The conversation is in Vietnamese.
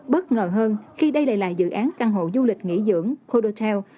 bất ngờ hơn khi đây lại là dự án căn hộ du lịch nghỉ dưỡng houthiel